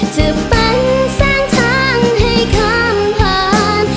จะเป็นแสงทางให้ข้ามผ่าน